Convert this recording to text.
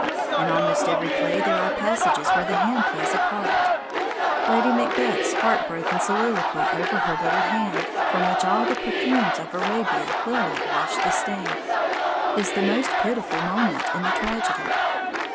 In almost every play there are passages where the hand plays a part. Lady Macbeth's heart broken soliloquy over her little hand, from which all the perfumes of Arabia will not wash the stain, is the most pitiful moment in the tragedy.